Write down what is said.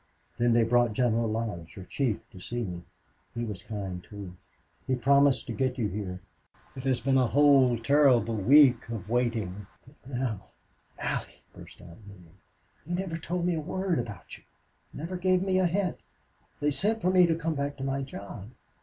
Then they brought General Lodge, your chief, to see me. He was kind, too. He promised to get you here. It has been a whole terrible week of waiting.... But now " "Allie," burst out Neale, "they never told me a word about you never gave me a hint. They sent for me to come back to my job.